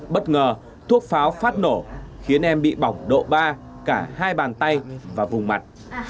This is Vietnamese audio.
bất ngờ thuốc pháo phát nổ khiến em bị bỏng độ ba cả hai bàn tay và vùng mặt